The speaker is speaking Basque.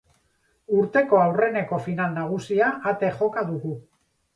Urteko aurreneko final nagusia ate joka dugu.